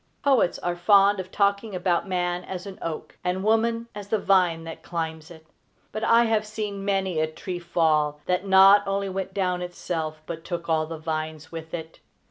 Poets are fond of talking about man as an oak, and woman the vine that climbs it; but I have seen many a tree fall that not only went down itself, but took all the vines with it.